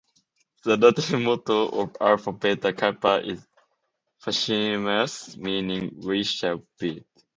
The Latin Motto of Alpha Beta Kappa is "Faciemus," meaning "We shall build.